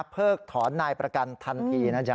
เพิกถอนนายประกันทันทีนะจ๊